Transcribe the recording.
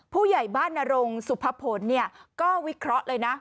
ผู้ใหญ่บ้านนรงสุภพลก็วิเคราะห์เลยนะ